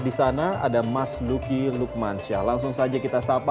di sana ada mas luki lukmansyah langsung saja kita sapa